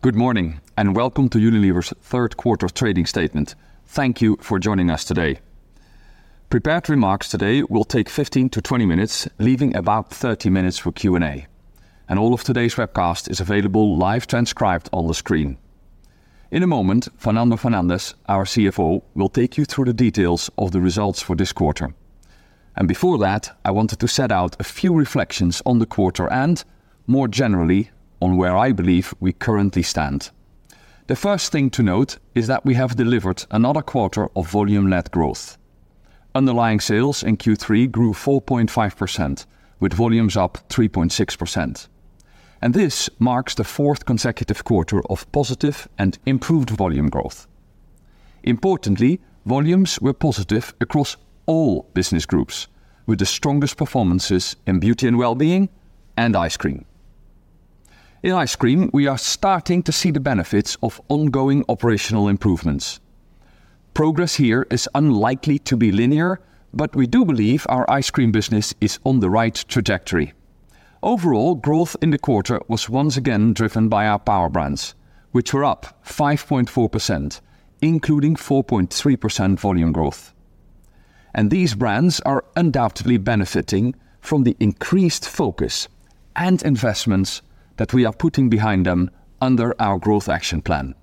Good morning, and welcome to Unilever's third quarter trading statement. Thank you for joining us today. Prepared remarks today will take 15-20 minutes, leaving about 30 minutes for Q&A, and all of today's webcast is available live transcribed on the screen. In a moment, Fernando Fernandez, our CFO, will take you through the details of the results for this quarter, and before that, I wanted to set out a few reflections on the quarter and, more generally, on where I believe we currently stand. The first thing to note is that we have delivered another quarter of volume-led growth. Underlying sales in Q3 grew 4.5%, with volumes up 3.6%, and this marks the fourth consecutive quarter of positive and improved volume growth. Importantly, volumes were positive across all Business Groups, with the strongest performances in Beauty and Wellbeing and Ice Cream. In ice cream, we are starting to see the benefits of ongoing operational improvements. Progress here is unlikely to be linear, but we do believe our ice cream business is on the right trajectory. Overall, growth in the quarter was once again driven by our power brands, which were up 5.4%, including 4.3% volume growth, and these brands are undoubtedly benefiting from the increased focus and investments that we are putting behind them under our Growth action plan.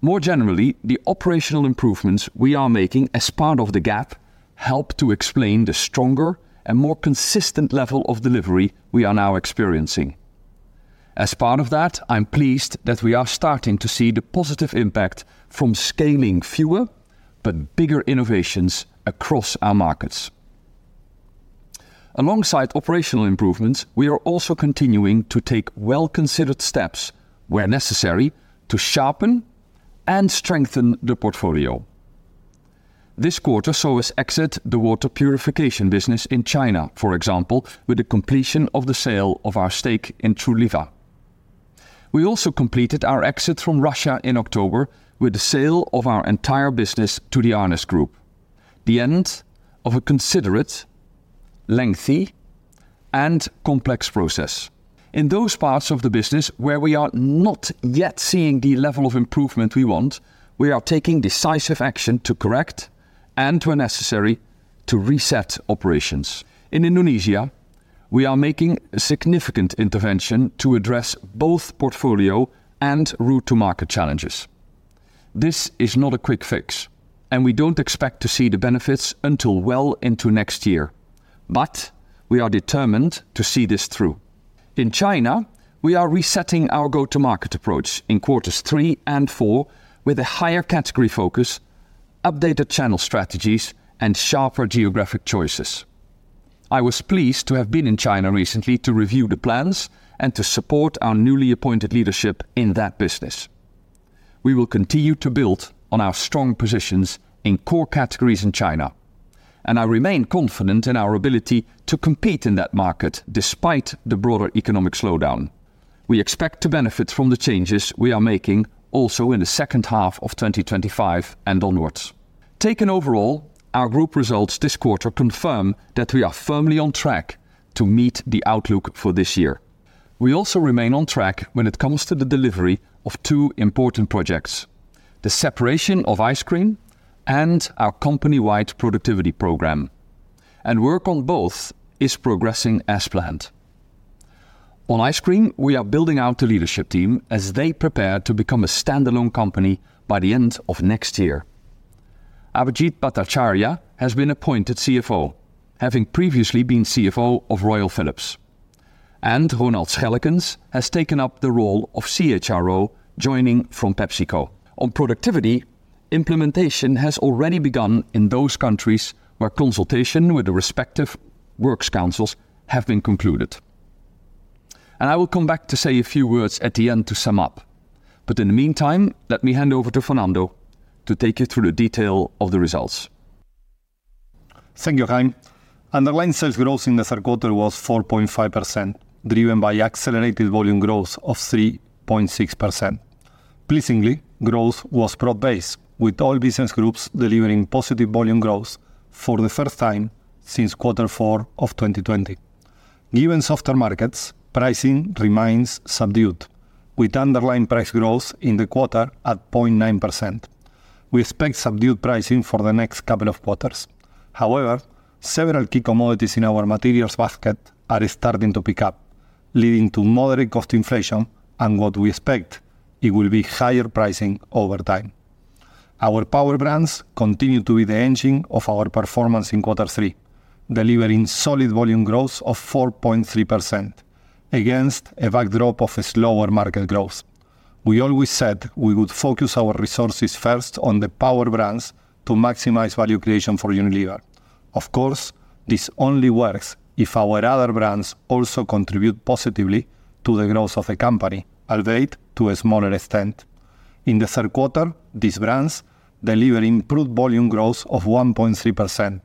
More generally, the operational improvements we are making as part of the GAP help to explain the stronger and more consistent level of delivery we are now experiencing. As part of that, I'm pleased that we are starting to see the positive impact from scaling fewer but bigger innovations across our markets. Alongside operational improvements, we are also continuing to take well-considered steps, where necessary, to sharpen and strengthen the portfolio. This quarter saw us exit the water purification business in China, for example, with the completion of the sale of our stake in Truliva. We also completed our exit from Russia in October with the sale of our entire business to the Arnest Group, the end of a considerate, lengthy, and complex process. In those parts of the business where we are not yet seeing the level of improvement we want, we are taking decisive action to correct and, where necessary, to reset operations. In Indonesia, we are making a significant intervention to address both portfolio and route-to-market challenges. This is not a quick fix, and we don't expect to see the benefits until well into next year, but we are determined to see this through. In China, we are resetting our go-to-market approach in quarters three and four with a higher category focus, updated channel strategies, and sharper geographic choices. I was pleased to have been in China recently to review the plans and to support our newly appointed leadership in that business. We will continue to build on our strong positions in core categories in China, and I remain confident in our ability to compete in that market despite the broader economic slowdown. We expect to benefit from the changes we are making also in the second half of twenty twenty-five and onwards. Taken overall, our group results this quarter confirm that we are firmly on track to meet the outlook for this year. We also remain on track when it comes to the delivery of two important projects: the separation of ice cream and our company-wide productivity program, and work on both is progressing as planned. On ice cream, we are building out the leadership team as they prepare to become a standalone company by the end of next year. Abhijit Bhattacharya has been appointed CFO, having previously been CFO of Royal Philips, and Ronald Schellekens has taken up the role of CHRO, joining from PepsiCo. On productivity, implementation has already begun in those countries where consultation with the respective works councils have been concluded, and I will come back to say a few words at the end to sum up, but in the meantime, let me hand over to Fernando to take you through the detail of the results. Thank you, Hein. Underlying sales growth in the third quarter was 4.5%, driven by accelerated volume growth of 3.6%. Pleasingly, growth was broad-based, with all business groups delivering positive volume growth for the first time since quarter four of 2020. Given softer markets, pricing remains subdued, with underlying price growth in the quarter at 0.9%. We expect subdued pricing for the next couple of quarters. However, several key commodities in our materials basket are starting to pick up, leading to moderate cost inflation and what we expect it will be higher pricing over time. Our power brands continue to be the engine of our performance in quarter three, delivering solid volume growth of 4.3% against a backdrop of a slower market growth. We always said we would focus our resources first on the power brands to maximize value creation for Unilever. Of course, this only works if our other brands also contribute positively to the growth of the company, albeit to a smaller extent. In the third quarter, these brands deliver improved volume growth of 1.3%,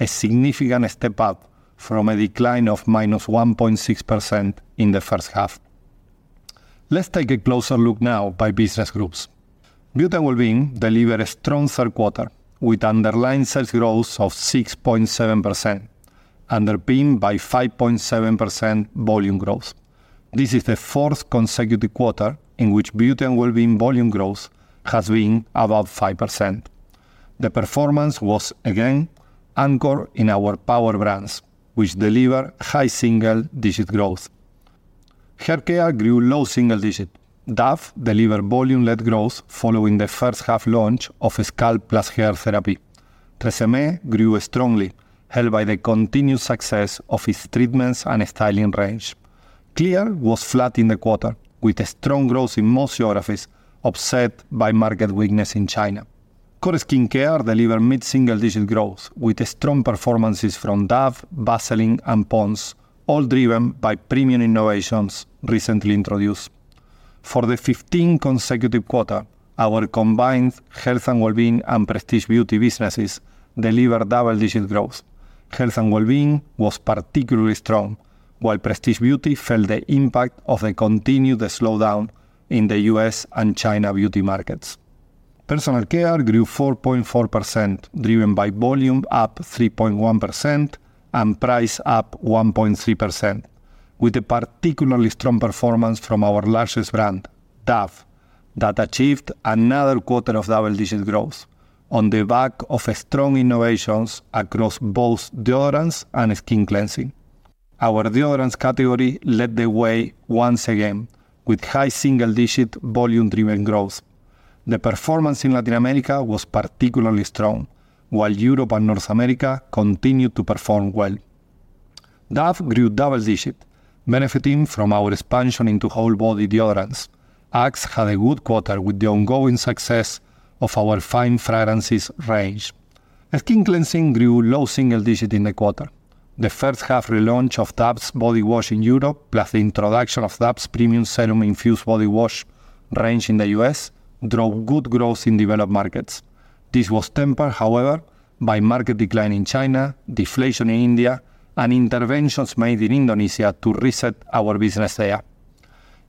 a significant step up from a decline of -1.6% in the first half. Let's take a closer look now by business groups. Beauty and Wellbeing delivered a strong third quarter, with underlying sales growth of 6.7% underpinned by 5.7% volume growth. This is the fourth consecutive quarter in which Beauty and Wellbeing volume growth has been above 5%. The performance was, again, anchored in our power brands, which deliver high single digit growth. Hair care grew low single digit. Dove delivered volume-led growth following the first half launch of Scalp + Hair Therapy. TRESemmé grew strongly, helped by the continued success of its treatments and styling range. Clear was flat in the quarter, with a strong growth in most geographies, upset by market weakness in China. Core skincare delivered mid-single digit growth, with strong performances from Dove, Vaseline, and Pond's, all driven by premium innovations recently introduced. For the fifteenth consecutive quarter, our combined Health and Wellbeing and Prestige Beauty businesses delivered double-digit growth. Health and Wellbeing was particularly strong, while Prestige Beauty felt the impact of a continued slowdown in the U.S. and China beauty markets. Personal care grew 4.4%, driven by volume up 3.1% and price up 1.3%, with a particularly strong performance from our largest brand, Dove, that achieved another quarter of double-digit growth on the back of strong innovations across both deodorants and skin cleansing. Our deodorants category led the way once again, with high single-digit, volume-driven growth. The performance in Latin America was particularly strong, while Europe and North America continued to perform well. Dove grew double digit, benefiting from our expansion into whole body deodorants. Axe had a good quarter with the ongoing success of our fine fragrances range. Skin cleansing grew low single digit in the quarter. The first half relaunch of Dove's body wash in Europe, plus the introduction of Dove's premium serum infused body wash range in the US, drove good growth in developed markets. This was tempered, however, by market decline in China, deflation in India, and interventions made in Indonesia to reset our business there.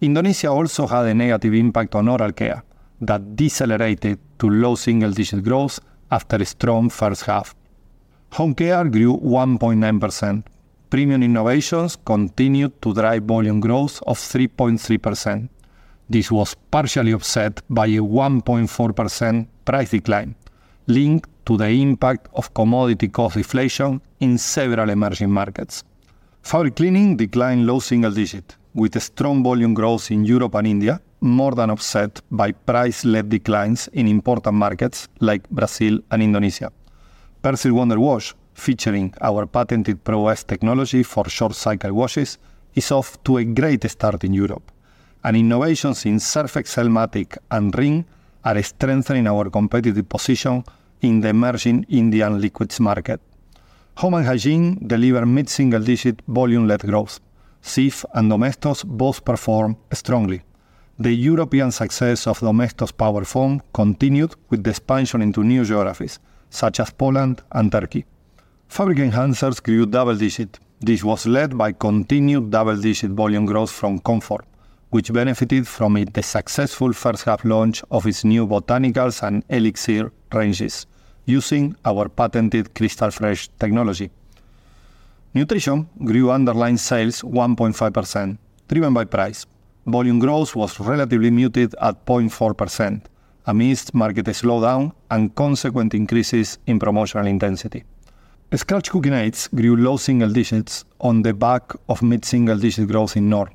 Indonesia also had a negative impact on oral care that decelerated to low single-digit growth after a strong first half. Home care grew 1.9%. Premium innovations continued to drive volume growth of 3.3%. This was partially offset by a 1.4% price decline, linked to the impact of commodity cost deflation in several emerging markets. Fabric cleaning declined low single digit, with strong volume growth in Europe and India, more than offset by price-led declines in important markets like Brazil and Indonesia. Persil Wonder Wash, featuring our patented Pro-S technology for short cycle washes, is off to a great start in Europe, and innovations in Surf Excel Matic and Rin are strengthening our competitive position in the emerging Indian liquids market. Home and Hygiene delivered mid-single digit volume-led growth. Cif and Domestos both performed strongly. The European success of Domestos Power Foam continued with the expansion into new geographies, such as Poland and Turkey. Fabric enhancers grew double digit. This was led by continued double-digit volume growth from Comfort, which benefited from the successful first half launch of its new Botanicals and Elixir ranges, using our patented Crystal Fresh technology. Nutrition grew underlying sales 1.5%, driven by price. Volume growth was relatively muted at 0.4% amidst market slowdown and consequent increases in promotional intensity. Soup cooking aids grew low single digits on the back of mid-single digit growth in North.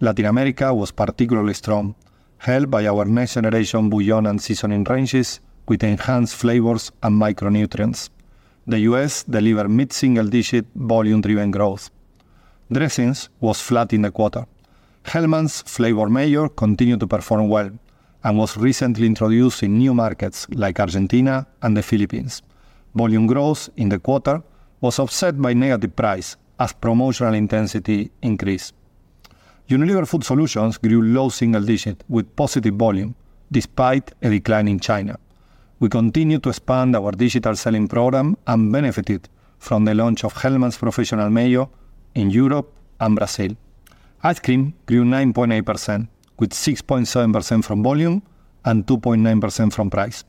Latin America was particularly strong, helped by our next generation bouillon and seasoning ranges with enhanced flavors and micronutrients. The US delivered mid-single digit volume-driven growth. Dressings was flat in the quarter. Hellmann's Flavor Mayo continued to perform well and was recently introduced in new markets like Argentina and the Philippines. Volume growth in the quarter was offset by negative price as promotional intensity increased. Unilever Food Solutions grew low single digit with positive volume despite a decline in China. We continue to expand our digital selling program and benefited from the launch of Hellmann's Professional Mayo in Europe and Brazil. Ice cream grew 9.8%, with 6.7% from volume and 2.9% from price.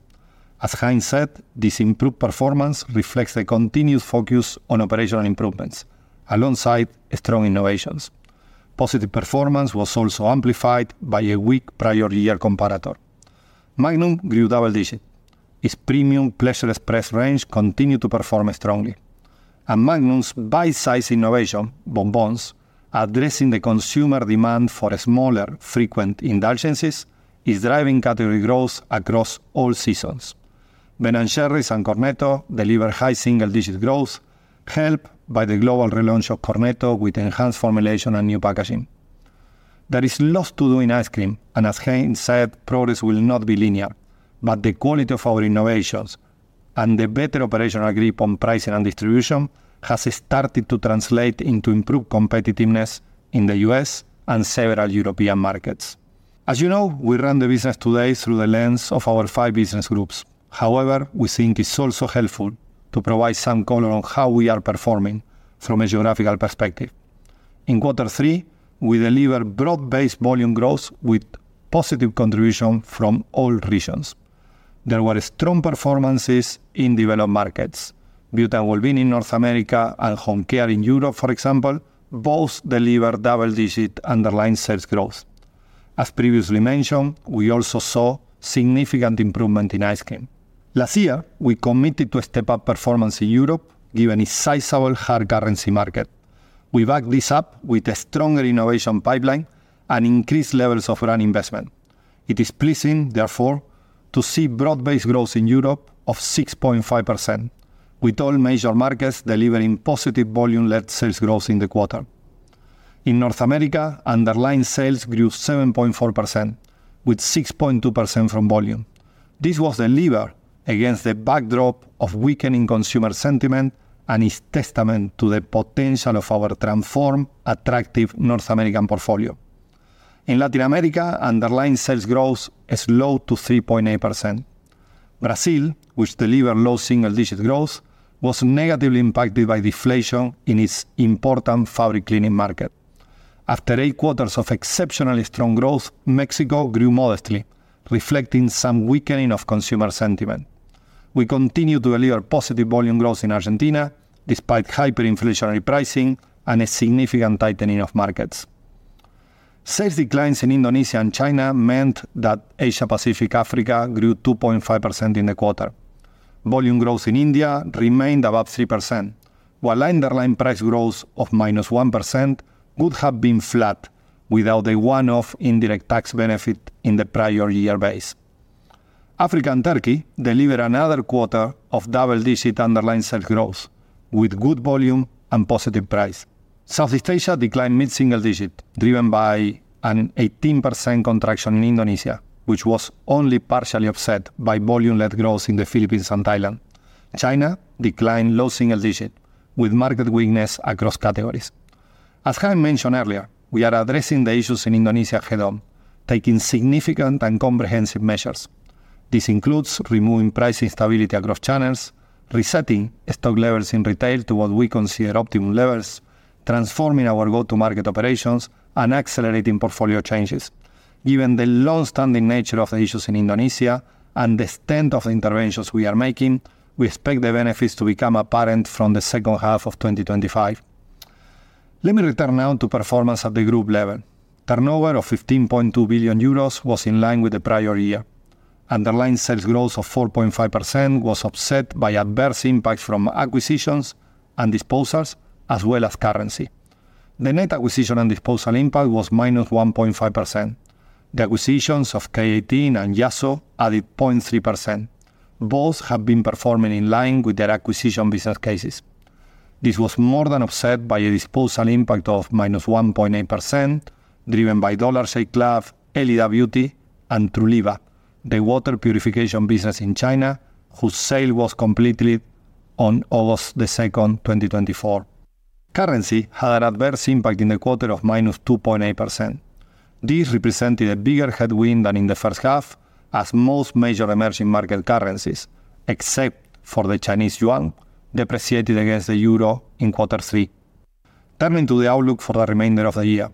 As Hein said, this improved performance reflects the continued focus on operational improvements alongside strong innovations. Positive performance was also amplified by a weak prior year comparator. Magnum grew double digit. Its premium Pleasure Express range continued to perform strongly, and Magnum's bite-sized innovation, Bon Bons, addressing the consumer demand for smaller, frequent indulgences, is driving category growth across all seasons. Ben & Jerry's and Cornetto delivered high single-digit growth, helped by the global relaunch of Cornetto with enhanced formulation and new packaging. There is lots to do in ice cream, and as Hein said, progress will not be linear. But the quality of our innovations and the better operational grip on pricing and distribution has started to translate into improved competitiveness in the U.S. and several European markets. As you know, we run the business today through the lens of our five business groups. However, we think it's also helpful to provide some color on how we are performing from a geographical perspective. In quarter three, we delivered broad-based volume growth with positive contribution from all regions. There were strong performances in developed markets. Beauty and Wellbeing in North America and Home Care in Europe, for example, both delivered double-digit underlying sales growth. As previously mentioned, we also saw significant improvement in Ice Cream. Last year, we committed to a step-up performance in Europe, given a sizable hard currency market. We backed this up with a stronger innovation pipeline and increased levels of brand investment. It is pleasing, therefore, to see broad-based growth in Europe of 6.5%, with all major markets delivering positive volume-led sales growth in the quarter. In North America, underlying sales grew 7.4%, with 6.2% from volume. This was the lever against the backdrop of weakening consumer sentiment and is testament to the potential of our transformed, attractive North American portfolio. In Latin America, underlying sales growth slowed to 3.8%. Brazil, which delivered low single-digit growth, was negatively impacted by deflation in its important fabric cleaning market. After eight quarters of exceptionally strong growth, Mexico grew modestly, reflecting some weakening of consumer sentiment. We continue to deliver positive volume growth in Argentina, despite hyperinflationary pricing and a significant tightening of markets. Sales declines in Indonesia and China meant that Asia Pacific Africa grew 2.5% in the quarter. Volume growth in India remained about 3%, while underlying price growth of -1% would have been flat without the one-off indirect tax benefit in the prior year base. Africa and Turkey delivered another quarter of double-digit underlying sales growth, with good volume and positive price. Southeast Asia declined mid-single digit, driven by an 18% contraction in Indonesia, which was only partially offset by volume-led growth in the Philippines and Thailand. China declined low single digit, with market weakness across categories. As Hein mentioned earlier, we are addressing the issues in Indonesia head-on, taking significant and comprehensive measures. This includes removing price instability across channels, resetting stock levels in retail to what we consider optimum levels, transforming our go-to-market operations, and accelerating portfolio changes. Given the long-standing nature of the issues in Indonesia and the extent of the interventions we are making, we expect the benefits to become apparent from the second half of 2025. Let me return now to performance at the group level. Turnover of 15.2 billion euros was in line with the prior year. Underlying sales growth of 4.5% was offset by adverse impacts from acquisitions and disposals, as well as currency. The net acquisition and disposal impact was -1.5%. The acquisitions of K18 and Yasso added 0.3%. Both have been performing in line with their acquisition business cases. This was more than offset by a disposal impact of minus 1.8%, driven by Dollar Shave Club, Elida Beauty, and Truliva, the water purification business in China, whose sale was completed on August the second, 2024. Currency had an adverse impact in the quarter of minus 2.8%. This represented a bigger headwind than in the first half, as most major emerging market currencies, except for the Chinese yuan, depreciated against the euro in quarter three. Turning to the outlook for the remainder of the year,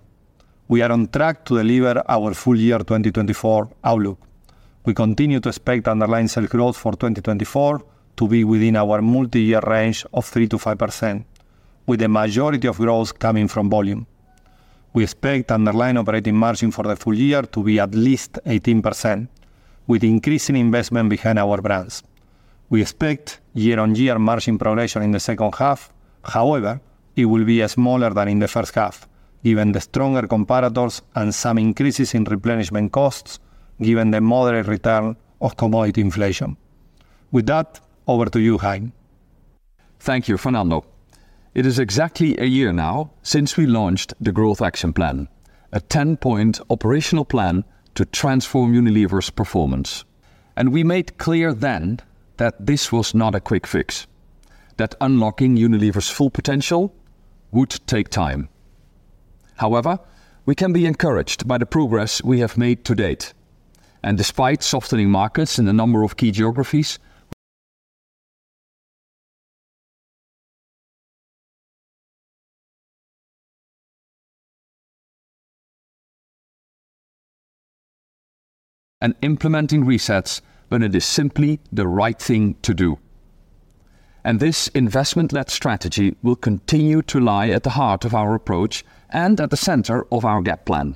we are on track to deliver our full-year 2024 outlook. We continue to expect underlying sales growth for 2024 to be within our multi-year range of 3%-5%, with the majority of growth coming from volume. We expect underlying operating margin for the full year to be at least 18%, with increasing investment behind our brands. We expect year-on-year margin progression in the second half. However, it will be smaller than in the first half, given the stronger comparators and some increases in replenishment costs, given the moderate return of commodity inflation. With that, over to you, Hein. Thank you, Fernando. It is exactly a year now since we launched the Growth Action Plan, a ten-point operational plan to transform Unilever's performance. We made clear then that this was not a quick fix, that unlocking Unilever's full potential would take time. However, we can be encouraged by the progress we have made to date, and despite softening markets in a number of key geographies and implementing resets when it is simply the right thing to do, and this investment-led strategy will continue to lie at the heart of our approach and at the center of our GAP plan.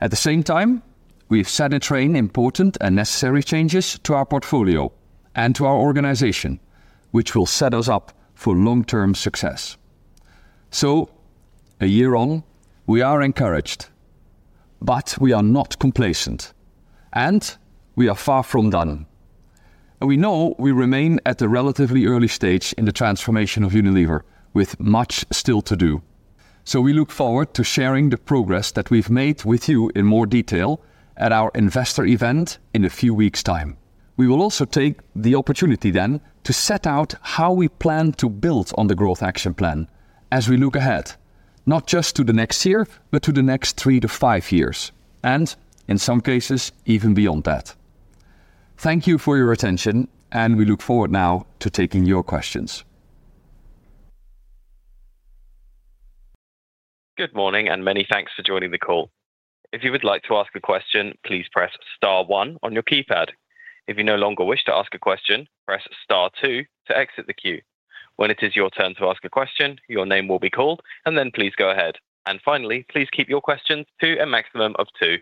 At the same time, we've set in train important and necessary changes to our portfolio and to our organization, which will set us up for long-term success, so a year on, we are encouraged, but we are not complacent, and we are far from done. We know we remain at a relatively early stage in the transformation of Unilever, with much still to do. We look forward to sharing the progress that we've made with you in more detail at our investor event in a few weeks' time. We will also take the opportunity then to set out how we plan to build on the growth action plan as we look ahead, not just to the next year, but to the next three to five years, and in some cases, even beyond that.... Thank you for your attention, and we look forward now to taking your questions. Good morning, and many thanks for joining the call. If you would like to ask a question, please press star one on your keypad. If you no longer wish to ask a question, press star two to exit the queue. When it is your turn to ask a question, your name will be called, and then please go ahead. And finally, please keep your questions to a maximum of two.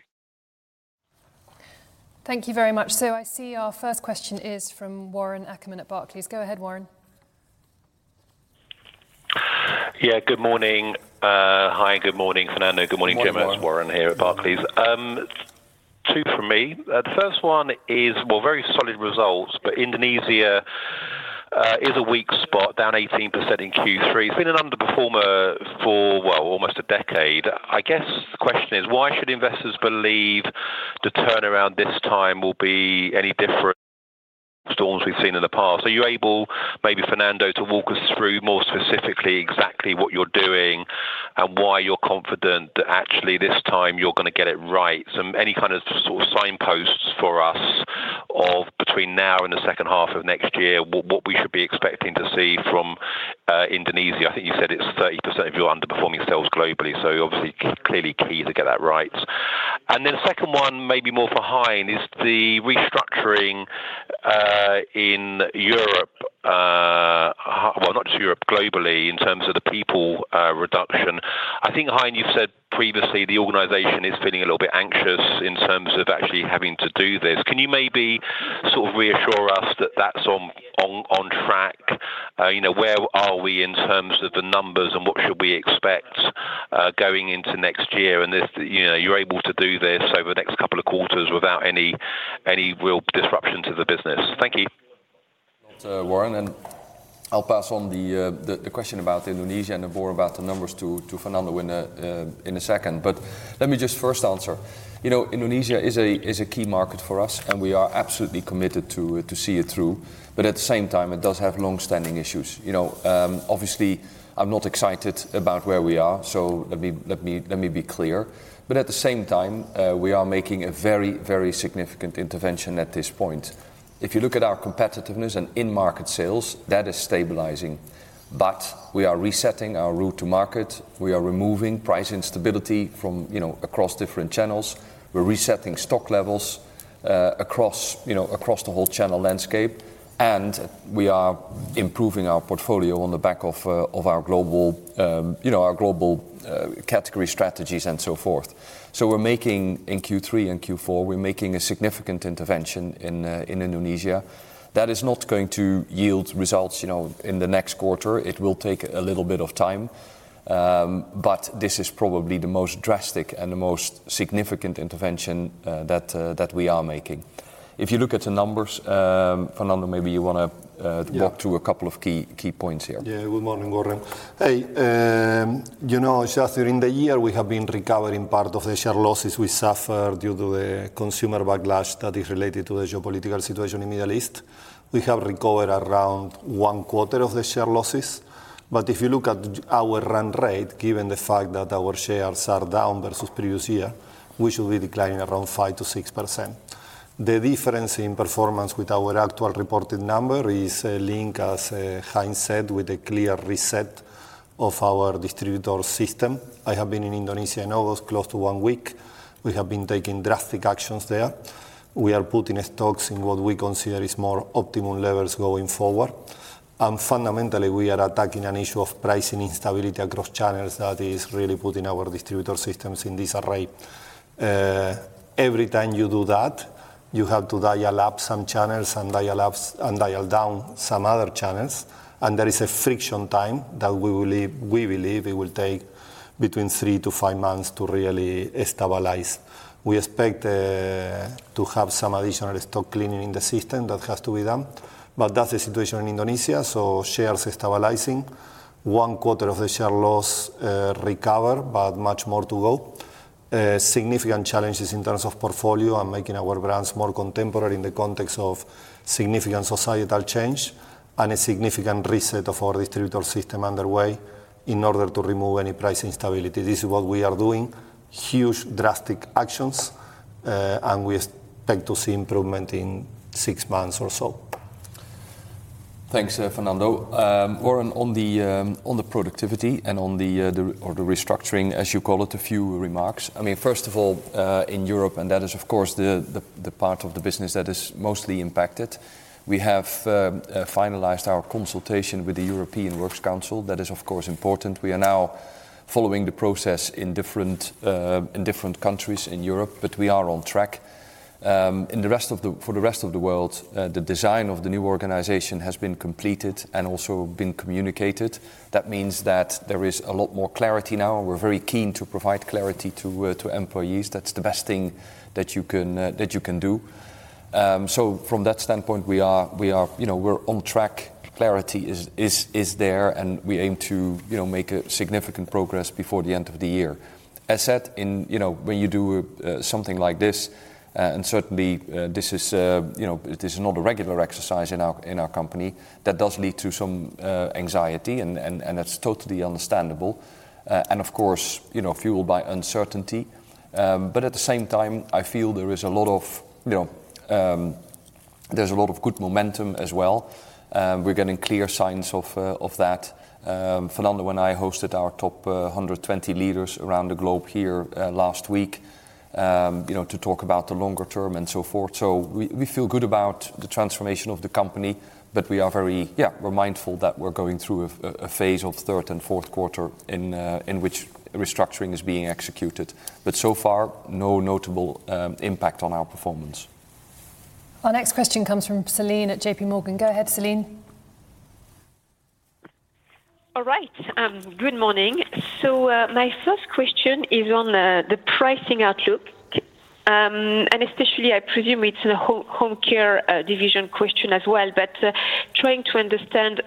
Thank you very much. So I see our first question is from Warren Ackerman at Barclays. Go ahead, Warren. Yeah, good morning. Hi, good morning, Fernando. Good morning, Jemma. Good morning, Warren. It's Warren here at Barclays. Two from me. The first one is, well, very solid results, but Indonesia is a weak spot, down 18% in Q3. It's been an underperformer for, well, almost a decade. I guess the question is, why should investors believe the turnaround this time will be any different storms we've seen in the past? Are you able, maybe Fernando, to walk us through more specifically exactly what you're doing, and why you're confident that actually this time you're gonna get it right? Any kind of sort of signposts for us of between now and the second half of next year, what we should be expecting to see from Indonesia? I think you said it's 30% of your underperforming sales globally, so obviously, clearly key to get that right. And then the second one, maybe more for Hein, is the restructuring in Europe, well, not just Europe, globally, in terms of the people reduction. I think, Hein, you've said previously, the organization is feeling a little bit anxious in terms of actually having to do this. Can you maybe sort of reassure us that that's on track? You know, where are we in terms of the numbers, and what should we expect going into next year? And if you're able to do this over the next couple of quarters without any real disruption to the business. Thank you. Warren, and I'll pass on the question about Indonesia and more about the numbers to Fernando in a second. But let me just first answer. You know, Indonesia is a key market for us, and we are absolutely committed to see it through. But at the same time, it does have long-standing issues. You know, obviously, I'm not excited about where we are, so let me be clear. But at the same time, we are making a very significant intervention at this point. If you look at our competitiveness and in-market sales, that is stabilizing. But we are resetting our route to market. We are removing price instability from, you know, across different channels. We're resetting stock levels across, you know, across the whole channel landscape, and we are improving our portfolio on the back of of our global, you know, our global category strategies and so forth. So we're making, in Q3 and Q4, we're making a significant intervention in Indonesia. That is not going to yield results, you know, in the next quarter. It will take a little bit of time. But this is probably the most drastic and the most significant intervention that we are making. If you look at the numbers, Fernando, maybe you wanna Yeah... walk through a couple of key, key points here. Yeah. Good morning, Warren. Hey, you know, just during the year, we have been recovering part of the share losses we suffered due to a consumer backlash that is related to the geopolitical situation in the Middle East. We have recovered around one quarter of the share losses. But if you look at our run rate, given the fact that our shares are down versus previous year, we should be declining around 5%-6%. The difference in performance with our actual reported number is linked, as Hein said, with a clear reset of our distributor system. I have been in Indonesia now close to one week. We have been taking drastic actions there. We are putting stocks in what we consider is more optimal levels going forward. Fundamentally, we are attacking an issue of pricing instability across channels that is really putting our distributor systems in disarray. Every time you do that, you have to dial up some channels and dial down some other channels, and there is a friction time that we believe it will take between three to five months to really stabilize. We expect to have some additional stock cleaning in the system that has to be done. But that's the situation in Indonesia, so shares stabilizing. One quarter of the share loss recover, but much more to go. Significant challenges in terms of portfolio and making our brands more contemporary in the context of significant societal change, and a significant reset of our distributor system underway in order to remove any price instability. This is what we are doing, huge, drastic actions, and we expect to see improvement in six months or so. Thanks, Fernando. Warren, on the productivity and on the restructuring, as you call it, a few remarks. I mean, first of all, in Europe, and that is, of course, the part of the business that is mostly impacted, we have finalized our consultation with the European Works Council. That is, of course, important. We are now following the process in different countries in Europe, but we are on track. For the rest of the world, the design of the new organization has been completed and also been communicated. That means that there is a lot more clarity now, and we're very keen to provide clarity to employees. That's the best thing that you can do. So from that standpoint, we are, you know, we're on track. Clarity is there, and we aim to, you know, make a significant progress before the end of the year. As said, you know, when you do something like this, and certainly, this is, you know, this is not a regular exercise in our company, that does lead to some anxiety, and that's totally understandable, and of course, you know, fueled by uncertainty. But at the same time, I feel there is a lot of, you know, There's a lot of good momentum as well, we're getting clear signs of that. Fernando and I hosted our top 120 leaders around the globe here last week, you know, to talk about the longer term and so forth. So we feel good about the transformation of the company, but we are very, yeah, we're mindful that we're going through a phase of third and fourth quarter in, in which restructuring is being executed. But so far, no notable impact on our performance. Our next question comes from Celine at J.P. Morgan. Go ahead, Celine. All right, good morning. So my first question is on the pricing outlook. And especially, I presume it's a home care division question as well, but trying to understand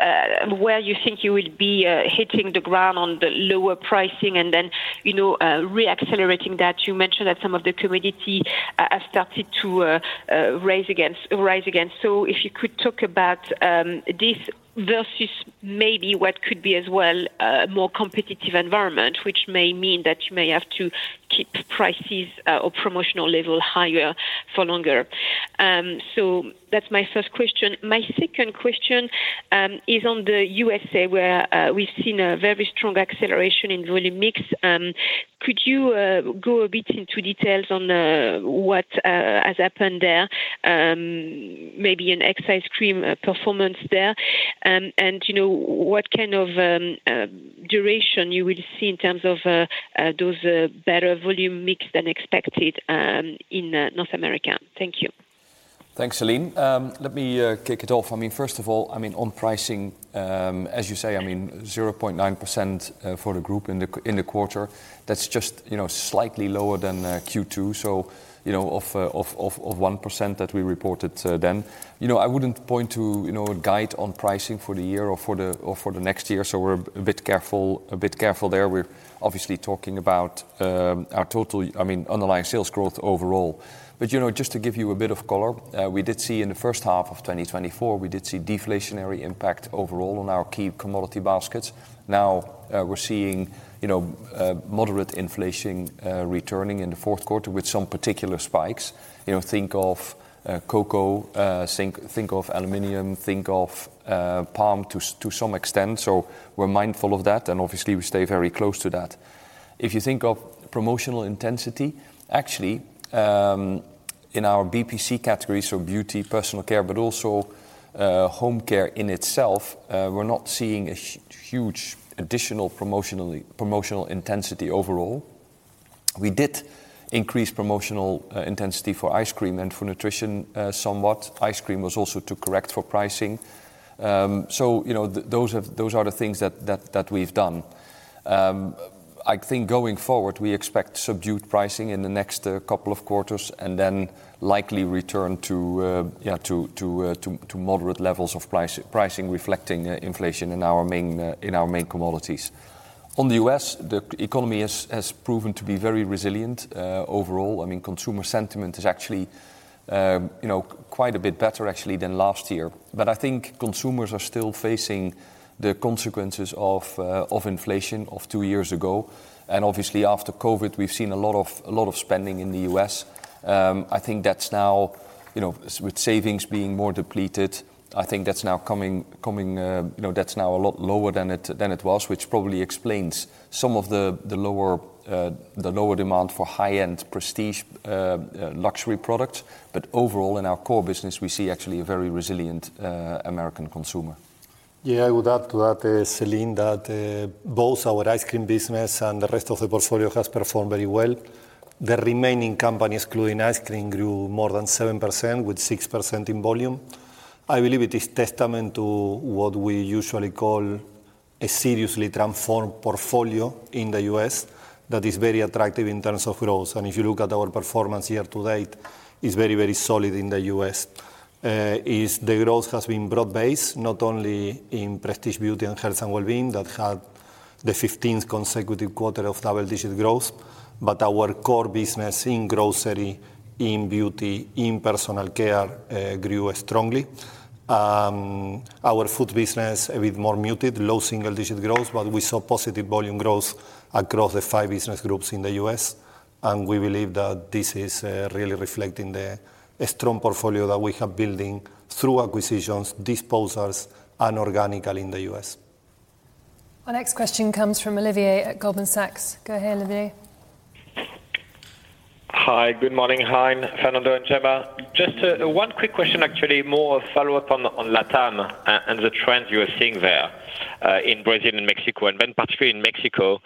where you think you will be hitting the ground on the lower pricing and then, you know, re-accelerating that. You mentioned that some of the commodity has started to rise again. So if you could talk about this versus maybe what could be as well a more competitive environment, which may mean that you may have to keep prices or promotional level higher for longer. So that's my first question. My second question is on the USA, where we've seen a very strong acceleration in volume mix. Could you go a bit into details on what has happened there? Maybe in ice cream performance there, and you know, what kind of duration you will see in terms of those better volume mix than expected, in North America? Thank you. Thanks, Celine. Let me kick it off. I mean, first of all, I mean, on pricing, as you say, I mean, 0.9% for the group in the quarter, that's just, you know, slightly lower than Q2, so, you know, of 1% that we reported then. You know, I wouldn't point to a guide on pricing for the year or for the next year, so we're a bit careful, a bit careful there. We're obviously talking about our total underlying sales growth overall. But, you know, just to give you a bit of color, we did see in the first half of 2024, we did see deflationary impact overall on our key commodity baskets. Now, we're seeing, you know, moderate inflation returning in the fourth quarter with some particular spikes. You know, think of cocoa, think of aluminum, think of palm to some extent. So we're mindful of that, and obviously, we stay very close to that. If you think of promotional intensity, actually, in our BPC categories, so beauty, personal care, but also, home care in itself, we're not seeing a huge additional promotional intensity overall. We did increase promotional intensity for ice cream and for nutrition somewhat. Ice cream was also to correct for pricing. So, you know, those are the things that we've done. I think going forward, we expect subdued pricing in the next couple of quarters, and then likely return to moderate levels of pricing, reflecting inflation in our main commodities. On the U.S., the economy has proven to be very resilient overall. I mean, consumer sentiment is actually, you know, quite a bit better, actually, than last year. But I think consumers are still facing the consequences of inflation of two years ago, and obviously, after COVID, we've seen a lot of spending in the U.S. I think that's now, you know, with savings being more depleted, I think that's now coming, you know, that's now a lot lower than it was, which probably explains some of the lower demand for high-end prestige luxury products. But overall, in our core business, we see actually a very resilient American consumer. Yeah, I would add to that, Celine, that both our ice cream business and the rest of the portfolio has performed very well. The remaining companies, including ice cream, grew more than 7%, with 6% in volume. I believe it is testament to what we usually call a seriously transformed portfolio in the US that is very attractive in terms of growth. And if you look at our performance year to date, it's very, very solid in the US. The growth has been broad-based, not only in prestige beauty and health and wellbeing, that had the fifteenth consecutive quarter of double-digit growth, but our core business in grocery, in beauty, in personal care, grew strongly. Our food business, a bit more muted, low single-digit growth, but we saw positive volume growth across the five business groups in the U.S., and we believe that this is really reflecting a strong portfolio that we have building through acquisitions, disposals, and organically in the U.S. Our next question comes from Olivier at Goldman Sachs. Go ahead, Olivier. Hi, good morning, Hein, Fernando, and Jemma. Just one quick question, actually, more a follow-up on Latam and the trends you are seeing there in Brazil and Mexico, and then particularly in Mexico,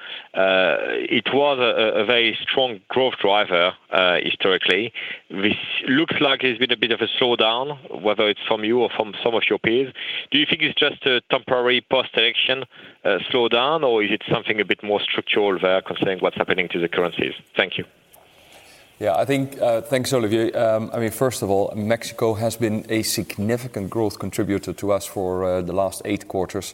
it was a very strong growth driver historically. This looks like there's been a bit of a slowdown, whether it's from you or from some of your peers. Do you think it's just a temporary post-election slowdown, or is it something a bit more structural there concerning what's happening to the currencies? Thank you. ... Yeah, I think, thanks, Olivier. I mean, first of all, Mexico has been a significant growth contributor to us for the last eight quarters.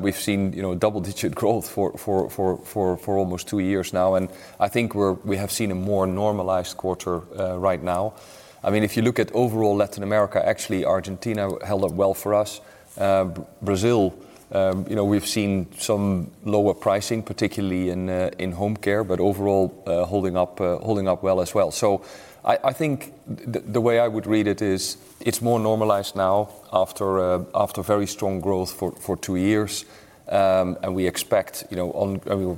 We've seen, you know, double-digit growth for almost two years now, and I think we have seen a more normalized quarter right now. I mean, if you look at overall Latin America, actually, Argentina held up well for us. Brazil, you know, we've seen some lower pricing, particularly in home care, but overall, holding up well as well. So I think the way I would read it is, it's more normalized now after very strong growth for two years. And we expect, you know,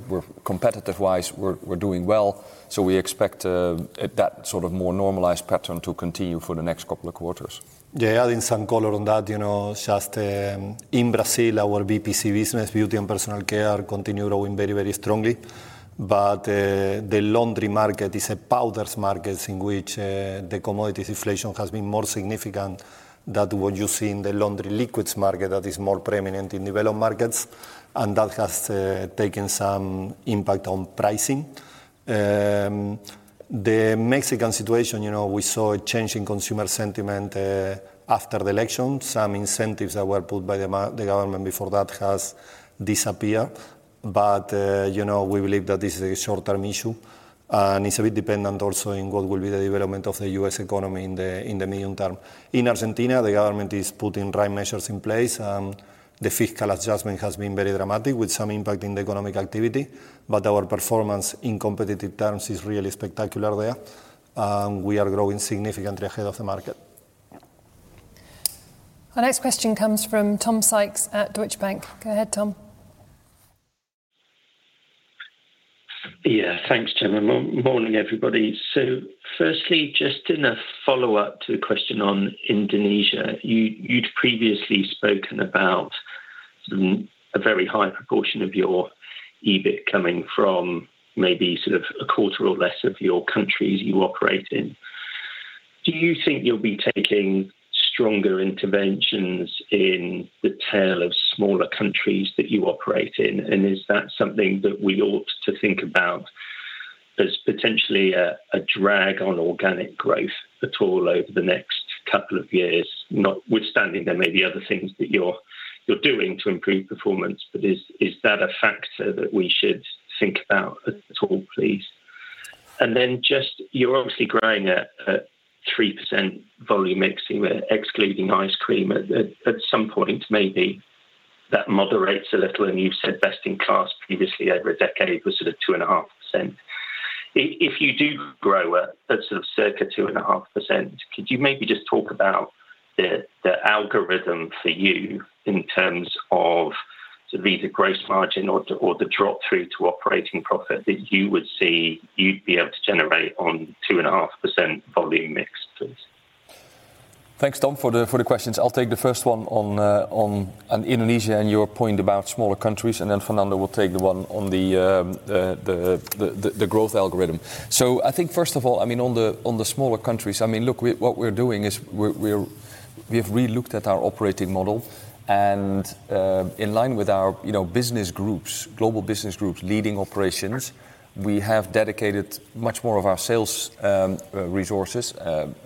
we're competitive-wise, we're doing well, so we expect that sort of more normalized pattern to continue for the next couple of quarters. Yeah, adding some color on that, you know, just, in Brazil, our BPC business, Beauty and Personal Care, continue growing very, very strongly. But, the laundry market is a powders market in which, the commodities inflation has been more significant than what you see in the laundry liquids market that is more preeminent in developed markets, and that has, taken some impact on pricing. The Mexican situation, you know, we saw a change in consumer sentiment, after the election. Some incentives that were put by the government before that has disappeared, but, you know, we believe that this is a short-term issue, and it's a bit dependent also on what will be the development of the US economy in the medium term. In Argentina, the government is putting right measures in place, and the fiscal adjustment has been very dramatic, with some impact in the economic activity, but our performance in competitive terms is really spectacular there, and we are growing significantly ahead of the market. Our next question comes from Tom Sykes at Deutsche Bank. Go ahead, Tom. Yeah, thanks, Jemma. Morning, everybody. So firstly, just in a follow-up to the question on Indonesia, you'd previously spoken about sort of a very high proportion of your EBIT coming from maybe sort of a quarter or less of your countries you operate in. Do you think you'll be taking stronger interventions in the tail of smaller countries that you operate in? And is that something that we ought to think about as potentially a drag on organic growth at all over the next couple of years? Notwithstanding, there may be other things that you're doing to improve performance, but is that a factor that we should think about at all, please? And then just, you're obviously growing at 3% volume mix, excluding ice cream. At some point, maybe that moderates a little, and you've said best-in-class previously, over a decade, was sort of 2.5%. If you do grow at sort of circa 2.5%, could you maybe just talk about the algorithm for you in terms of sort of either gross margin or the drop-through to operating profit that you would see you'd be able to generate on 2.5% volume mix, please? Thanks, Tom, for the questions. I'll take the first one on Indonesia and your point about smaller countries, and then Fernando will take the one on the growth algorithm. So I think, first of all, I mean, on the smaller countries, I mean, look, what we're doing is we're. We have relooked at our operating model, and in line with our, you know, business groups, global business groups, leading operations, we have dedicated much more of our sales resources,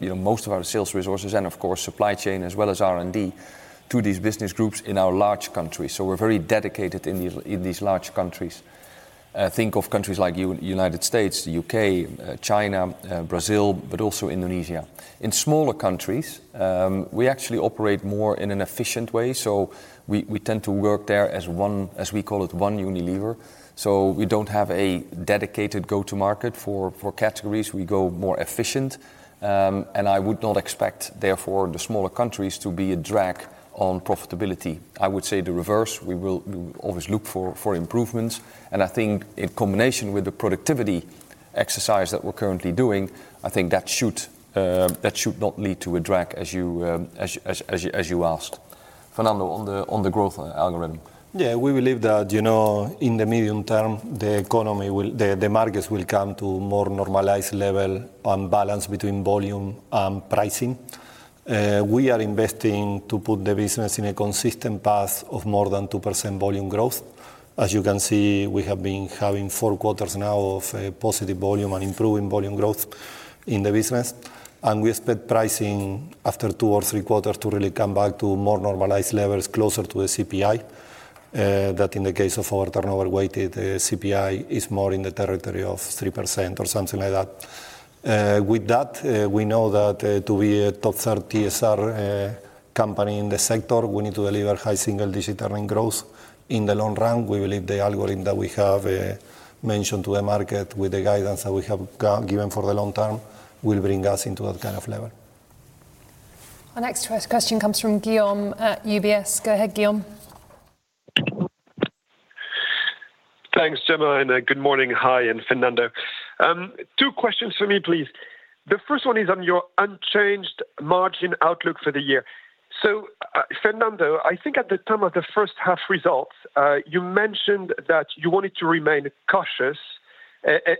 you know, most of our sales resources and, of course, supply chain, as well as R&D, to these business groups in our large countries. So we're very dedicated in these large countries. Think of countries like United States, the U.K., China, Brazil, but also Indonesia. In smaller countries, we actually operate more in an efficient way, so we tend to work there as one, as we call it, one Unilever. So we don't have a dedicated go-to-market for categories. We go more efficient, and I would not expect, therefore, the smaller countries to be a drag on profitability. I would say the reverse. We will always look for improvements, and I think in combination with the productivity exercise that we're currently doing, I think that should not lead to a drag, as you asked. Fernando, on the growth algorithm. Yeah, we believe that, you know, in the medium term, the economy will... The markets will come to more normalized level on balance between volume and pricing. We are investing to put the business in a consistent path of more than 2% volume growth. As you can see, we have been having four quarters now of a positive volume and improving volume growth in the business, and we expect pricing after two or three quarters to really come back to more normalized levels closer to the CPI, that in the case of our turnover-weighted CPI, is more in the territory of 3% or something like that. With that, we know that, to be a top third TSR company in the sector, we need to deliver high single-digit earnings growth in the long run. We believe the algorithm that we have mentioned to the market with the guidance that we have given for the long term will bring us into that kind of level. Our next question comes from Guillaume at UBS. Go ahead, Guillaume. Thanks, Jemma, and good morning, Hein and Fernando. Two questions from me, please. The first one is on your unchanged margin outlook for the year. So, Fernando, I think at the time of the first half results, you mentioned that you wanted to remain cautious,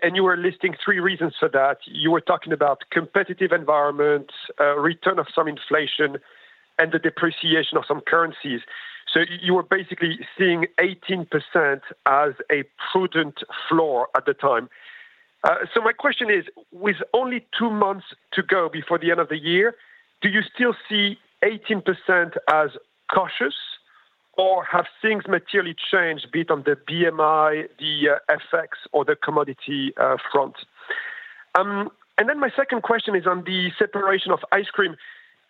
and you were listing three reasons for that. You were talking about competitive environment, return of some inflation and the depreciation of some currencies. So you were basically seeing 18% as a prudent floor at the time. So my question is, with only two months to go before the end of the year, do you still see 18% as cautious, or have things materially changed, be it on the PMI, the FX or the commodity front? And then my second question is on the separation of Ice Cream.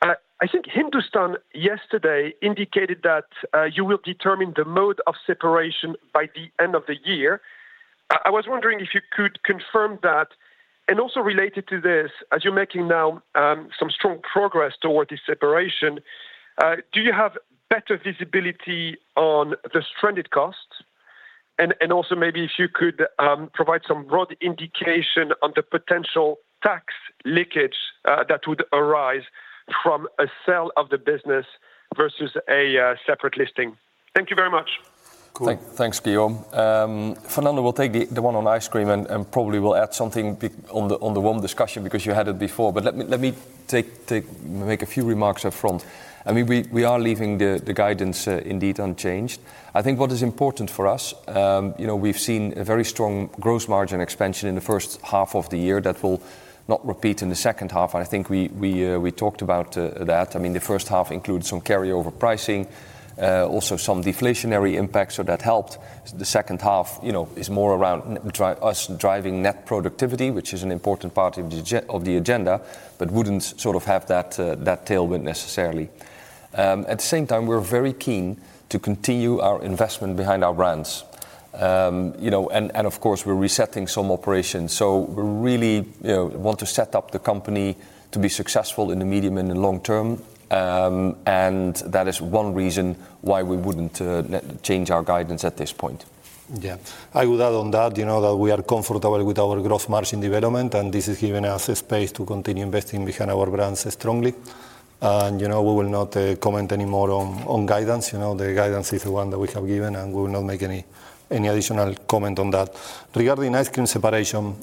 I think Hindustan yesterday indicated that you will determine the mode of separation by the end of the year. I was wondering if you could confirm that? And also related to this, as you're making now some strong progress toward the separation, do you have better visibility on the stranded costs? And also maybe if you could provide some broad indication on the potential tax leakage that would arise from a sale of the business versus a separate listing? Thank you very much. Cool. Thanks, Guillaume. Fernando will take the one on Ice Cream, and probably will add something on the warm discussion, because you had it before. But let me take. Make a few remarks up front. I mean, we are leaving the guidance, indeed unchanged. I think what is important for us, you know, we've seen a very strong gross margin expansion in the first half of the year that will not repeat in the second half, and I think we talked about that. I mean, the first half includes some carryover pricing, also some deflationary impacts, so that helped. The second half, you know, is more around us driving net productivity, which is an important part of the GAP of the agenda, but wouldn't sort of have that tailwind necessarily. At the same time, we're very keen to continue our investment behind our brands. You know, and of course, we're resetting some operations. So we really, you know, want to set up the company to be successful in the medium and the long term, and that is one reason why we wouldn't change our guidance at this point. Yeah. I would add on that, you know, that we are comfortable with our gross margin development, and this is giving us the space to continue investing behind our brands strongly. And, you know, we will not comment any more on guidance. You know, the guidance is the one that we have given, and we will not make any additional comment on that. Regarding Ice Cream separation,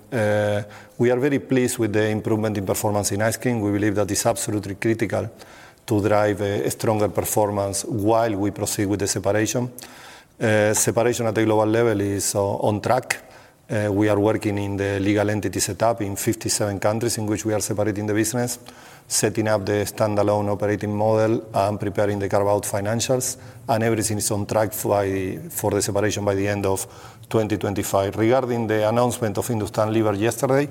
we are very pleased with the improvement in performance in Ice Cream. We believe that is absolutely critical to drive a stronger performance while we proceed with the separation. Separation at the global level is on track. We are working in the legal entity setup in 57 countries in which we are separating the business, setting up the standalone operating model, and preparing the carve-out financials, and everything is on track for the separation by the end of 2025. Regarding the announcement of Hindustan Lever yesterday,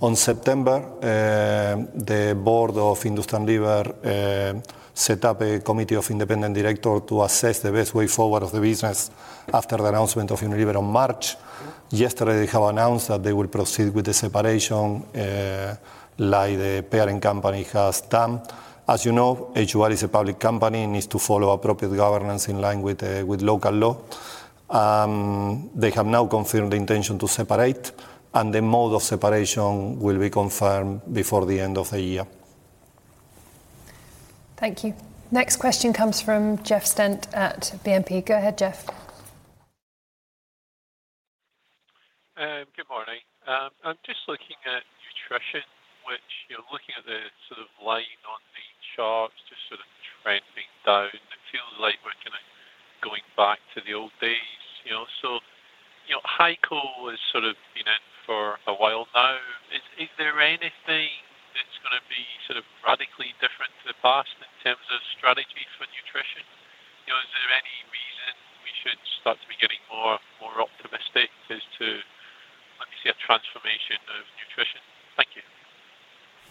on September, the board of Hindustan Lever set up a committee of independent director to assess the best way forward of the business after the announcement of Unilever on March. Yesterday, they have announced that they will proceed with the separation, like the parent company has done. As you know, HUL is a public company and needs to follow appropriate governance in line with local law. They have now confirmed the intention to separate, and the mode of separation will be confirmed before the end of the year. Thank you. Next question comes from Jeff Stent at BNP. Go ahead, Jeff. Good morning. I'm just looking at nutrition, which you're looking at the sort of line on the charts just sort of trending down. It feels like we're kinda going back to the old days, you know? So, you know, Heiko has sort of been in for a while now. Is there anything that's gonna be sort of radically different to the past in terms of strategy for nutrition? You know, is there any reason we should start to be getting more optimistic as to when we see a transformation of nutrition?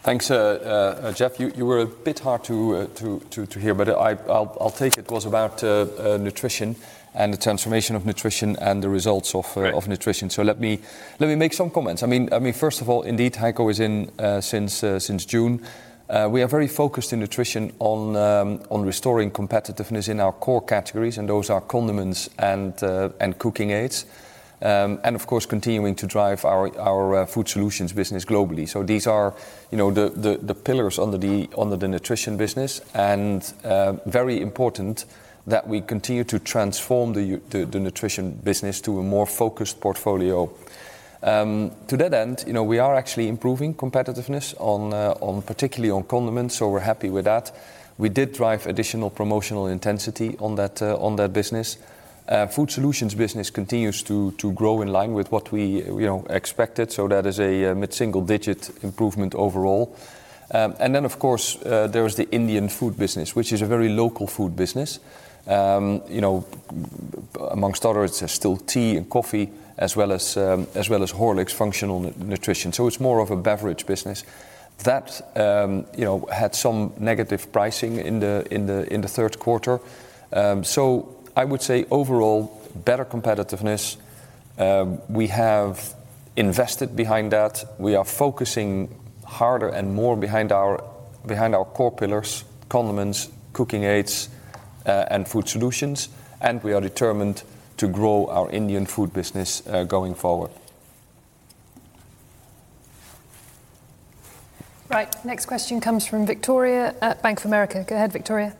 Thank you. Thanks, Jeff. You were a bit hard to hear, but I'll take it. It was about nutrition and the transformation of nutrition and the results of- Right... of nutrition. So let me make some comments. I mean, first of all, indeed, Heiko is in since June. We are very focused in nutrition on restoring competitiveness in our core categories, and those are condiments and cooking aids. And of course, continuing to drive our food solutions business globally. So these are, you know, the pillars under the nutrition business, and very important that we continue to transform the nutrition business to a more focused portfolio. To that end, you know, we are actually improving competitiveness on particularly on condiments, so we're happy with that. We did drive additional promotional intensity on that business. Food solutions business continues to grow in line with what we, you know, expected, so that is a mid-single digit improvement overall. And then, of course, there is the Indian food business, which is a very local food business. You know, amongst others, there's still tea and coffee, as well as Horlicks functional nutrition, so it's more of a beverage business. That, you know, had some negative pricing in the third quarter. So I would say overall, better competitiveness. We have invested behind that. We are focusing harder and more behind our core pillars, condiments, cooking aids, and food solutions, and we are determined to grow our Indian food business going forward. Right. Next question comes from Victoria at Bank of America. Go ahead, Victoria. ...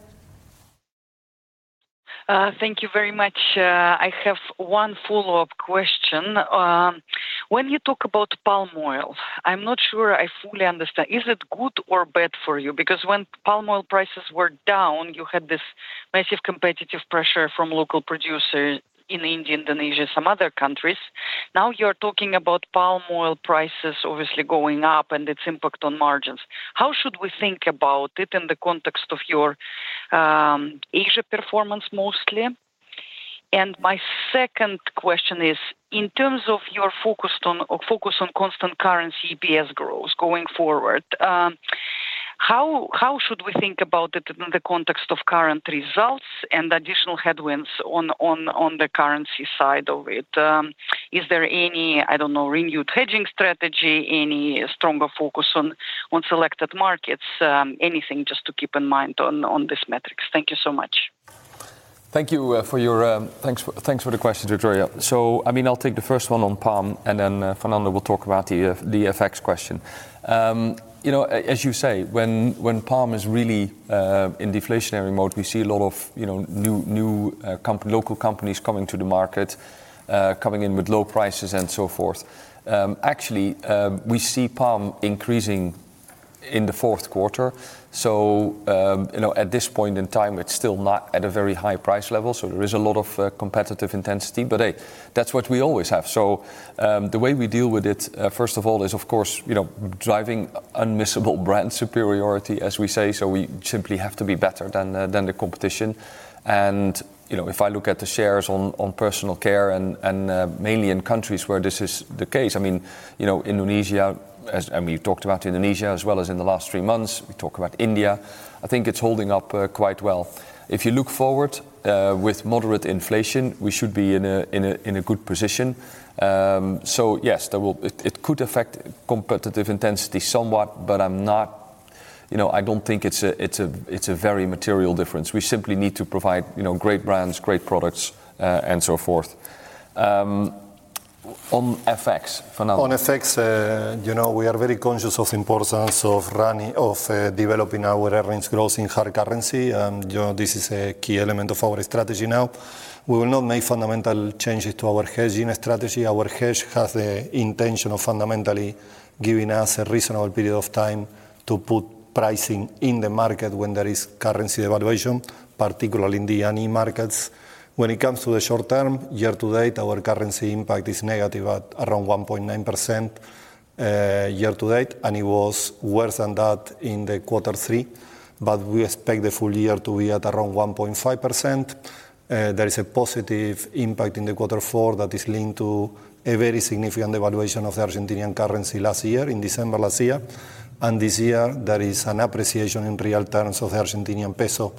Thank you very much. I have one follow-up question. When you talk about palm oil, I'm not sure I fully understand. Is it good or bad for you? Because when palm oil prices were down, you had this massive competitive pressure from local producers in India, Indonesia, some other countries. Now you're talking about palm oil prices obviously going up and its impact on margins. How should we think about it in the context of your Asia performance, mostly? And my second question is, in terms of your focused on- or focus on constant currency EPS growth going forward, how should we think about it in the context of current results and additional headwinds on the currency side of it? Is there any renewed hedging strategy, any stronger focus on selected markets? Anything just to keep in mind on this metrics. Thank you so much. Thank you for your... Thanks, thanks for the question, Victoria. So, I mean, I'll take the first one on palm, and then Fernando will talk about the FX question. You know, as you say, when palm is really in deflationary mode, we see a lot of, you know, new local companies coming to the market, coming in with low prices, and so forth. Actually, we see palm increasing in the fourth quarter. So, you know, at this point in time, it's still not at a very high price level, so there is a lot of competitive intensity. But, hey, that's what we always have. The way we deal with it, first of all, is, of course, you know, driving Unmissable Brand Superiority, as we say, so we simply have to be better than the competition. And, you know, if I look at the shares on personal care and mainly in countries where this is the case, I mean, you know, Indonesia. I mean, we've talked about Indonesia, as well as in the last three months, we talk about India, I think it's holding up quite well. If you look forward, with moderate inflation, we should be in a good position. Yes, it could affect competitive intensity somewhat, but you know, I don't think it's a very material difference. We simply need to provide, you know, great brands, great products, and so forth. On FX, Fernando? On FX, you know, we are very conscious of importance of running, of, developing our earnings growth in hard currency, and, you know, this is a key element of our strategy now. We will not make fundamental changes to our hedging strategy. Our hedge has the intention of fundamentally giving us a reasonable period of time to put pricing in the market when there is currency devaluation, particularly in the emerging markets. When it comes to the short term, year to date, our currency impact is negative at around 1.9%, year to date, and it was worse than that in quarter three. But we expect the full year to be at around 1.5%. There is a positive impact in the quarter four that is linked to a very significant devaluation of the Argentinian currency last year, in December last year. This year, there is an appreciation in real terms of Argentinian peso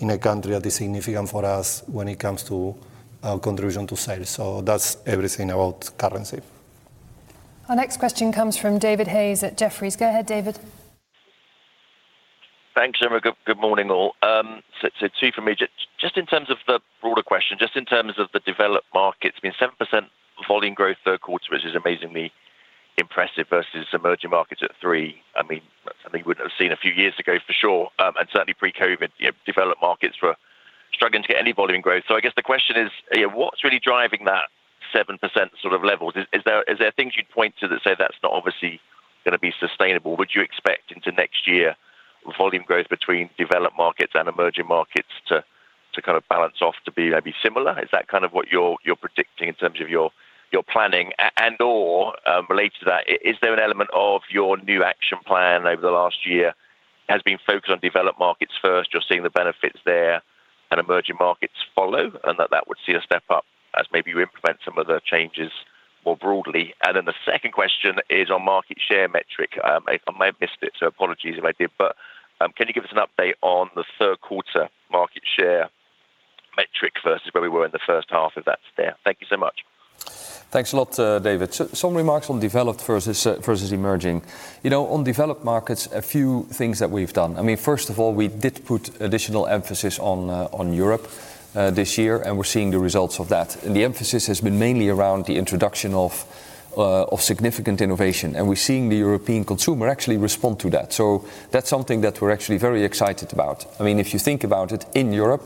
in a country that is significant for us when it comes to our contribution to sales. That's everything about currency. Our next question comes from David Hayes at Jefferies. Go ahead, David. Thanks, Jemma. Good morning, all. So two for me. Just in terms of the broader question, just in terms of the developed markets, I mean, 7% volume growth third quarter, which is amazingly impressive versus emerging markets at 3%. I mean, that's something we would have seen a few years ago for sure, and certainly pre-COVID, you know, developed markets were struggling to get any volume growth. So I guess the question is, you know, what's really driving that 7% sort of level? Is there things you'd point to that say that's not obviously gonna be sustainable? Would you expect into next year, volume growth between developed markets and emerging markets to kind of balance off to be maybe similar? Is that kind of what you're predicting in terms of your planning? And/or, related to that, is there an element of your new action plan over the last year has been focused on developed markets first, you're seeing the benefits there, and emerging markets follow, and that would see a step up as maybe you implement some of the changes more broadly? And then the second question is on market share metric. I might have missed it, so apologies if I did, but, can you give us an update on the third quarter market share metric versus where we were in the first half, if that's there? Thank you so much. Thanks a lot, David. So some remarks on developed versus emerging. You know, on developed markets, a few things that we've done. I mean, first of all, we did put additional emphasis on Europe this year, and we're seeing the results of that. And the emphasis has been mainly around the introduction of significant innovation, and we're seeing the European consumer actually respond to that. So that's something that we're actually very excited about. I mean, if you think about it, in Europe,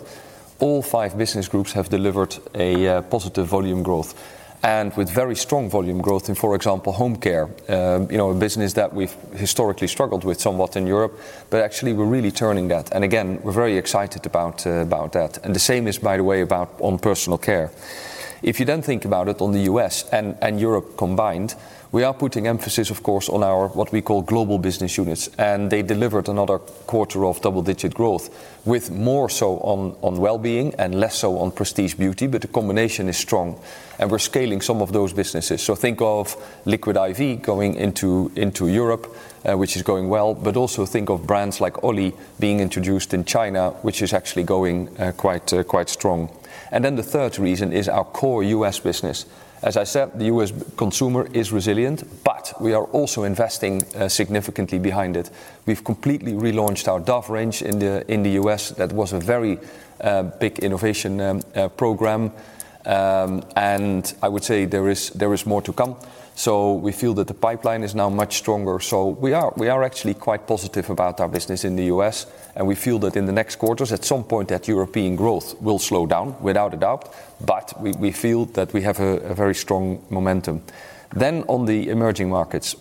all five business groups have delivered a positive volume growth, and with very strong volume growth in, for example, home care, you know, a business that we've historically struggled with somewhat in Europe, but actually we're really turning that. And again, we're very excited about that. And the same is, by the way, about on personal care. If you then think about it, on the U.S. and Europe combined, we are putting emphasis, of course, on our, what we call global business units, and they delivered another quarter of double-digit growth, with more so on wellbeing and less so on prestige beauty, but the combination is strong, and we're scaling some of those businesses. So think of Liquid I.V. going into Europe, which is going well, but also think of brands like OLLY being introduced in China, which is actually going quite strong. And then the third reason is our core U.S. business. As I said, the U.S. consumer is resilient, but we are also investing significantly behind it. We've completely relaunched our Dove range in the U.S. That was a very big innovation program, and I would say there is more to come, so we feel that the pipeline is now much stronger, so we are actually quite positive about our business in the US, and we feel that in the next quarters, at some point, that European growth will slow down, without a doubt, but we feel that we have a very strong momentum, then on the emerging markets,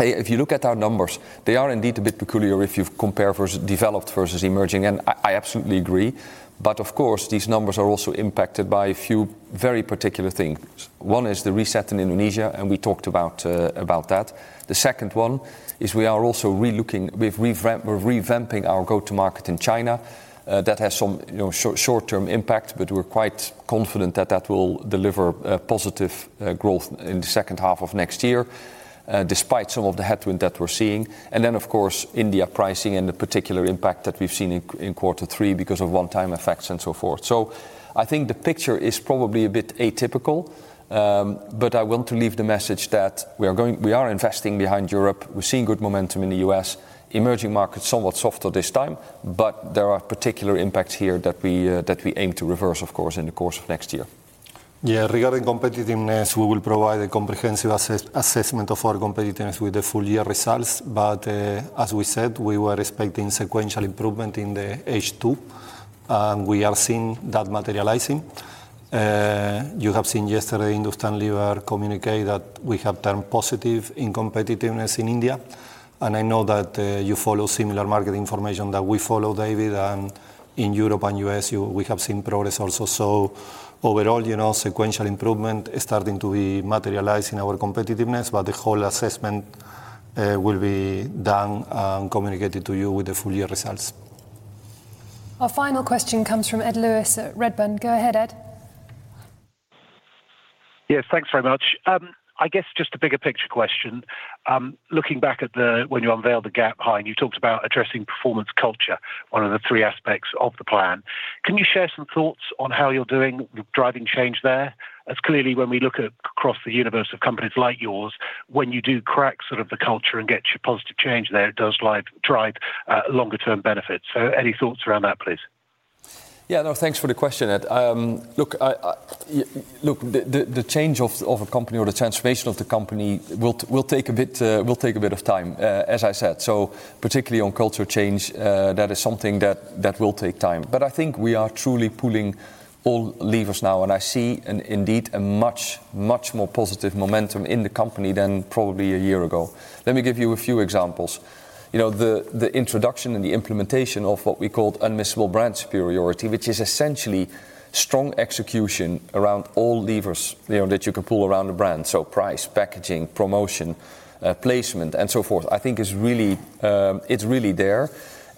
if you look at our numbers, they are indeed a bit peculiar if you compare versus developed versus emerging, and I absolutely agree, but of course, these numbers are also impacted by a few very particular things. One is the reset in Indonesia, and we talked about that. The second one is we are also relooking, we're revamping our go-to-market in China. That has some, you know, short-term impact, but we're quite confident that that will deliver positive growth in the second half of next year, despite some of the headwind that we're seeing. Of course, India pricing and the particular impact that we've seen in quarter three because of one-time effects and so forth. I think the picture is probably a bit atypical. I want to leave the message that we are investing behind Europe. We're seeing good momentum in the US. Emerging markets, somewhat softer this time, but there are particular impacts here that we aim to reverse, of course, in the course of next year. Yeah, regarding competitiveness, we will provide a comprehensive assessment of our competitiveness with the full year results. But, as we said, we were expecting sequential improvement in the H2, and we are seeing that materializing. You have seen yesterday Hindustan Lever communicate that we have turned positive in competitiveness in India, and I know that you follow similar market information that we follow, David, and in Europe and US, we have seen progress also. So overall, you know, sequential improvement is starting to be materialized in our competitiveness, but the whole assessment will be done and communicated to you with the full year results. Our final question comes from Ed Lewis at Redburn. Go ahead, Ed. Yes, thanks very much. I guess just a bigger picture question. Looking back at the... when you unveiled the GAP plan, you talked about addressing performance culture, one of the three aspects of the plan. Can you share some thoughts on how you're doing with driving change there? As clearly, when we look at across the universe of companies like yours, when you do crack sort of the culture and get your positive change there, it does drive longer term benefits. So any thoughts around that, please? Yeah, no, thanks for the question, Ed. Look, the change of a company or the transformation of the company will take a bit of time, as I said. So particularly on culture change, that is something that will take time. But I think we are truly pulling all levers now, and I see and indeed a much more positive momentum in the company than probably a year ago. Let me give you a few examples. You know, the introduction and the implementation of what we called Unmissable Brand Superiority, which is essentially strong execution around all levers, you know, that you can pull around a brand, so price, packaging, promotion, placement, and so forth, I think is really, it's really there,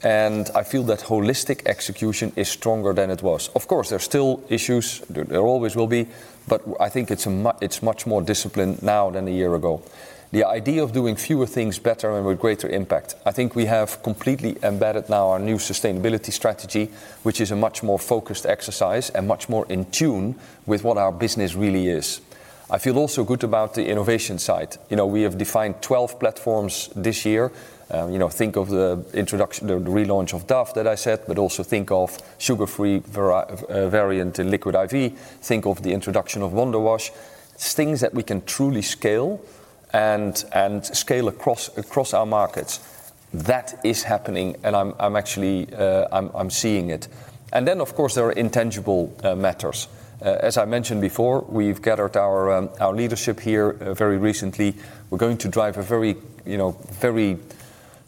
and I feel that holistic execution is stronger than it was. Of course, there are still issues. There always will be, but I think it's much more disciplined now than a year ago. The idea of doing fewer things better and with greater impact, I think we have completely embedded now our new sustainability strategy, which is a much more focused exercise and much more in tune with what our business really is. I feel also good about the innovation side. You know, we have defined 12 platforms this year. You know, think of the introduction, the relaunch of Dove that I said, but also think of sugar-free variant in Liquid I.V. Think of the introduction of Wonder Wash. It's things that we can truly scale and scale across our markets. That is happening, and I'm actually seeing it. And then, of course, there are intangible matters. As I mentioned before, we've gathered our leadership here very recently. We're going to drive a very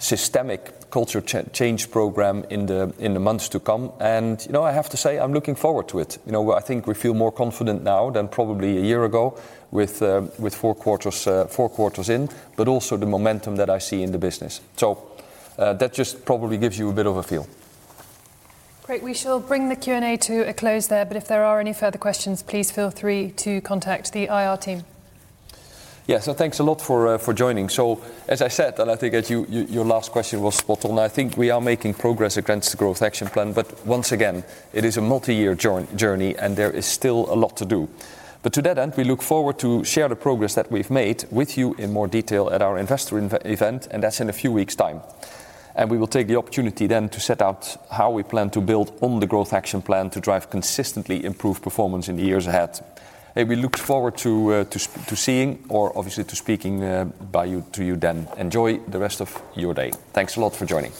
systemic culture change program in the months to come, and, you know, I have to say, I'm looking forward to it. You know, I think we feel more confident now than probably a year ago with four quarters in, but also the momentum that I see in the business. So, that just probably gives you a bit of a feel. Great. We shall bring the Q&A to a close there, but if there are any further questions, please feel free to contact the IR team. Yeah, so thanks a lot for joining. So, as I said, and I think that your last question was spot on. I think we are making progress against the Growth Action Plan, but once again, it is a multi-year journey, and there is still a lot to do. But to that end, we look forward to share the progress that we've made with you in more detail at our investor event, and that's in a few weeks' time. And we look forward to seeing or obviously, to speaking to you then. Enjoy the rest of your day. Thanks a lot for joining.